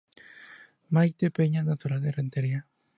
Maite Peña, natural de Rentería.